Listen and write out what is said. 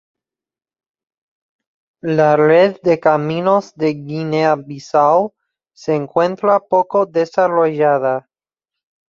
La red de caminos de Guinea-Bisáu se encuentra poco desarrollada.